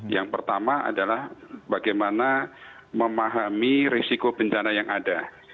yang pertama adalah bagaimana memahami risiko bencana yang ada